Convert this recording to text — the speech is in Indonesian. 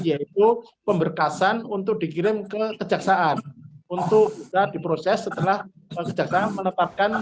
yaitu pemberkasan untuk dikirim ke kejaksaan untuk bisa diproses setelah kejaksaan menetapkan